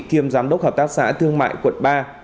kiêm giám đốc hợp tác xã thương mại quận ba